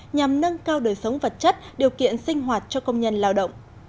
nhằm nâng cao đời sống vật chất điều kiện sinh hoạt cho công nhân lao động